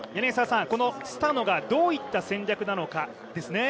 このスタノがどういった戦略なのかですね。